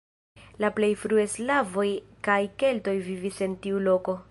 La plej frue slavoj kaj keltoj vivis en tiu loko.